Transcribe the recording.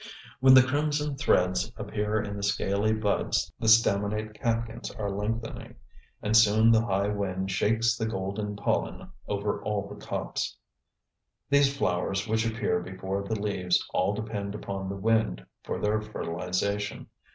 When the crimson threads appear in the scaly buds the staminate catkins are lengthening, and soon the high wind shakes the golden pollen over all the copse. These flowers which appear before the leaves all depend upon the wind for their fertilization.